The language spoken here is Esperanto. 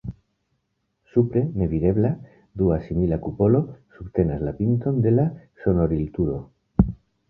Supre, nevidebla, dua simila kupolo subtenas la pinton de la sonorilturo.